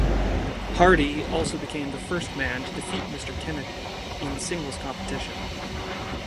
Hardy also became the first man to defeat Mr. Kennedy in singles' competition.